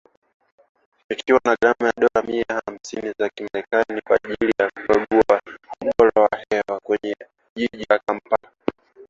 Ikiwa na gharama ya dola mia hamsini za kimerekani kwa ajili ya kukagua ubora wa hewa kwenye jiji la Kampala.